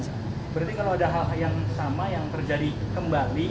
berarti kalo ada hal yang sama yang terjadi kembali